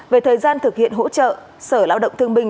về thời gian thực hiện hỗ trợ sở lao động thương binh